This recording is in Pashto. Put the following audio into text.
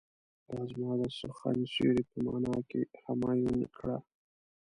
دا زما د سخن سيوری په معنی کې همایون کړه.